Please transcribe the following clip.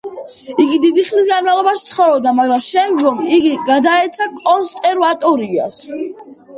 იგი დიდი ხნის განმავლობაში ცხოვრობდა, მაგრამ შემდგომ იგი გადაეცა კონსერვატორიას.